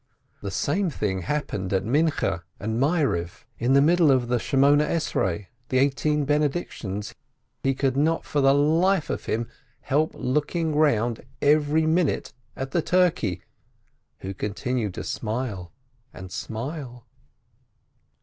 The same thing happened at Minchah and Maariv. In the middle of the Eighteen Benedictions, he could not for the life of him help looking round every minute at the turkey, who continued to smile and smile.